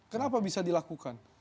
kenapa bisa dilakukan